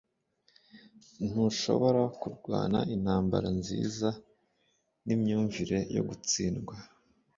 Ntushobora kurwana intambara nziza nimyumvire yo gutsindwa